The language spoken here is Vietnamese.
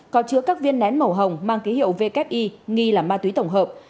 có chứa các viên nén màu hồng mang ký hiệu vki nghi là ma túy tổng hợp